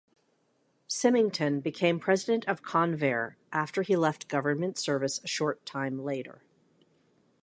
Symington became president of Convair after he left government service a short time later.